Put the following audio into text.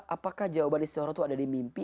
apakah jawaban istigharah tuh ada di mimpi